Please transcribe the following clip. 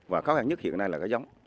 và khó khăn nhất hiện nay là cái giống